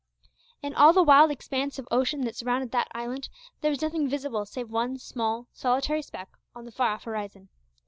In all the wide expanse of ocean that surrounded that island, there was nothing visible save one small, solitary speck on the far off horizon.